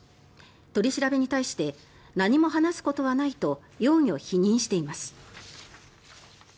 取り調べに対して何も話すことはないと容疑を否認しています。